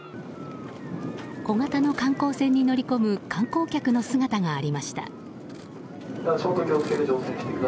小型の観光船に乗り込む観光客の姿がありました。